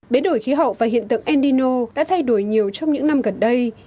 bế đổi khí hậu và hiện tượng endino đã thay đổi nhiều trong những năm gần đây